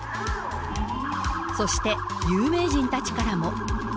そして、有名人たちからも。